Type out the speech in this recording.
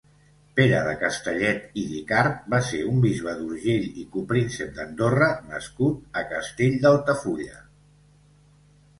Pere de Castellet i d'Icart va ser un bisbe d'Urgell i copríncep d'Andorra nascut a Castell d'Altafulla.